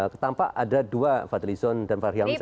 ketampak ada dua fadli zon dan fahri hamzah